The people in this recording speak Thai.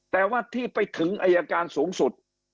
แต่ว่าที่ไปถึงอายการสูงสุด